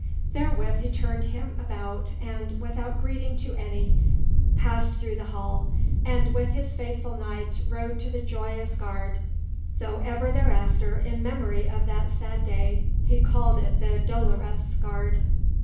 Therewith he turned him about and, without greeting to any, passed through the hall, and with his faithful knights rode to the Joyous Garde, though ever thereafter, in memory of that sad day, he called it the Dolorous Garde.